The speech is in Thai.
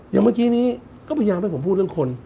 อย่างเมื่อกี้นี้ก็พยายามให้ผมพูดเรื่องคน